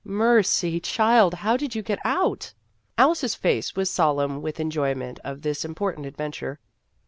" Mercy ! child, how did you get out ?" Alice's face was solemn with enjoyment of this important adventure.